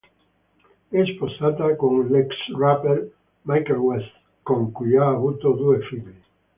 È sposata con l'ex rapper Michael West, con cui ha avuto due figli.